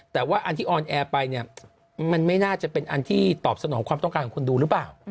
แต่ว่าอันที่ออนแอร์ไปเนี่ยมันไม่น่าจะเป็นอันที่ตอบสนองความต้องการของคนดูหรือเปล่า